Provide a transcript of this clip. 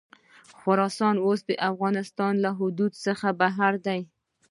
خراسان د اوسني افغانستان له حدودو څخه بهر دی.